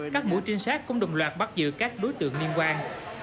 các mũi trinh sát cũng đồng loạt bắt giữ các đối tượng liên quan